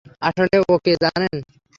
আসলে ও কে জানেন?